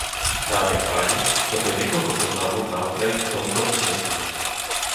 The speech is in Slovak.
Dámy a páni, toto je niekoľko poznámok na okraj k tomuto uzneseniu.